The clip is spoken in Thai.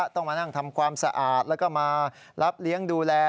ต้องมานั่งทำความสะอาดแล้วก็มารับเลี้ยงดูแล